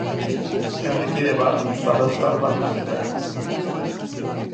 Herrikide bat, zarauztar bat tartean.